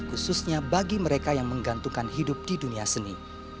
khususnya bagi mereka yang menggantungkan hidup di dunia seni